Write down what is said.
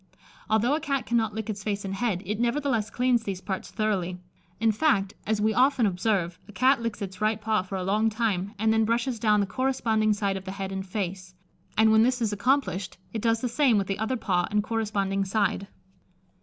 Although a Cat cannot lick its face and head, it nevertheless cleans these parts thoroughly; in fact, as we often observe, a Cat licks its right paw for a long time, and then brushes down the corresponding side of the head and face; and when this is accomplished, it does the same with the other paw and corresponding side.